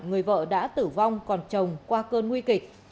người vợ đã tử vong còn chồng qua cơn nguy kịch